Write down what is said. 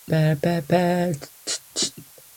それでもまだ残っていましたから、